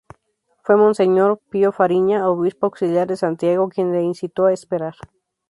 Fue monseñor Pío Fariña, obispo auxiliar de Santiago, quien le incitó a esperar.